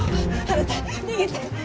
あなた逃げて！